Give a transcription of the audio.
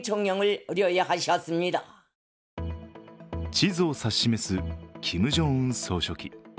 地図を指し示すキム・ジョンウン総書記。